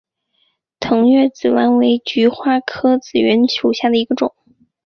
腾越紫菀为菊科紫菀属下的一个种。